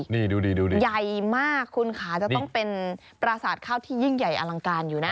นี่ดูดิใหญ่มากคุณค่ะจะต้องเป็นปราสาทข้าวที่ยิ่งใหญ่อลังการอยู่นะ